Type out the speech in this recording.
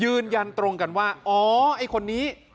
ยืนยันตรงกันว่าอ๋อไอ้คนนี้